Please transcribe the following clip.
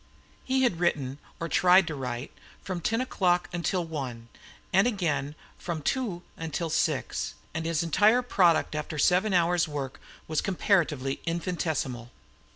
He had written, or tried to write, from ten o'clock until one, and again from two until six; and his entire product after seven hours' work was comparatively infinitesimal.